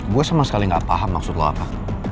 gue sama sekali gak paham maksud lo apa